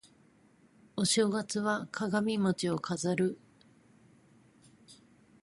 お正月は鏡餅を飾る